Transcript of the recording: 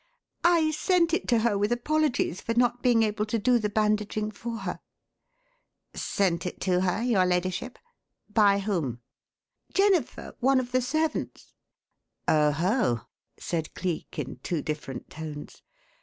"I sent it to her with apologies for not being able to do the bandaging for her." "Sent it to her, your ladyship? By whom?" "Jennifer one of the servants." "Oho!" said Cleek, in two different tones.